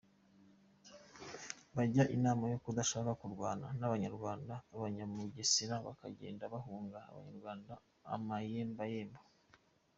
Bajya inama yo kudashoka barwana n’ abanyarwanda; abanyabugesera bakagenda bahunga abanyarwanda amayembayembo.